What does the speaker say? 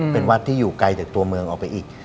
เป็นวัดที่อยู่ไกลจากตัวเมืองออกไปอีก